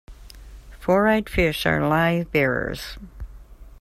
Four-eyed fish are livebearers.